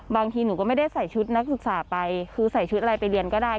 บางทีหนูก็ไม่ได้ใส่ชุดนักศึกษาไปคือใส่ชุดอะไรไปเรียนก็ได้